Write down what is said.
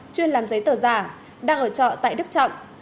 chuyên làm giấy tờ giả đang ở trọ tại đức trọng